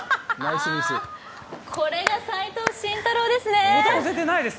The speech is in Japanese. これが齋藤慎太郎ですね。